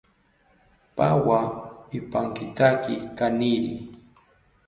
Pawa ipankitaki kaniri